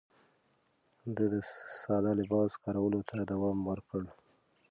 ده د ساده لباس کارولو ته دوام ورکړ.